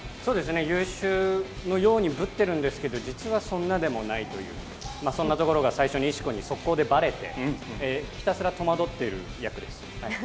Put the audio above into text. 優秀のようにぶってるんですけど、実はそんなでもないという、そんなところが最初に石子に速攻でばれて、ひたすら戸惑っている役です。